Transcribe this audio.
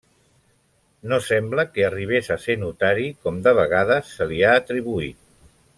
No sembla que arribés a ser notari, com de vegades se li ha atribuït.